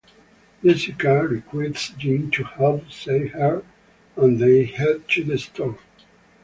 Jessica recruits Jim to help save her and they head to the store.